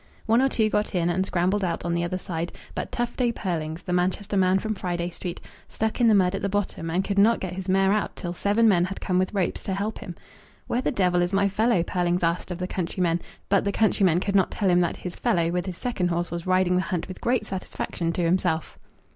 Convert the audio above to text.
One or two got in, and scrambled out on the other side, but Tufto Pearlings, the Manchester man from Friday Street, stuck in the mud at the bottom, and could not get his mare out till seven men had come with ropes to help him. "Where the devil is my fellow?" Pearlings asked of the countrymen; but the countrymen could not tell him that "his fellow" with his second horse was riding the hunt with great satisfaction to himself.